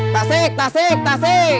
tasik tasik tasik